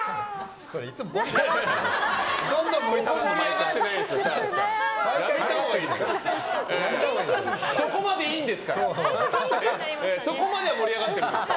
そんな盛り上がってないですよ